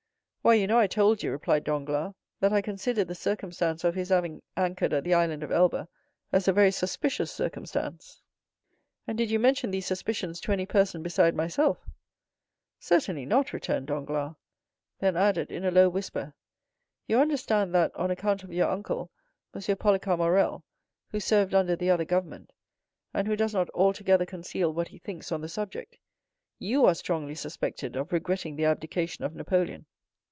"Why, you know I told you," replied Danglars, "that I considered the circumstance of his having anchored at the Island of Elba as a very suspicious circumstance." "And did you mention these suspicions to any person beside myself?" 0079m "Certainly not!" returned Danglars. Then added in a low whisper, "You understand that, on account of your uncle, M. Policar Morrel, who served under the other government, and who does not altogether conceal what he thinks on the subject, you are strongly suspected of regretting the abdication of Napoleon.